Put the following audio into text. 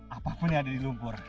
apapun yang ada di lumpur